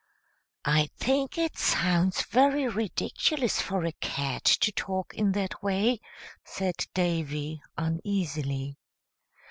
"I think it sounds very ridiculous for a cat to talk in that way," said Davy, uneasily.